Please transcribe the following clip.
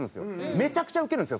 めちゃくちゃウケるんですよ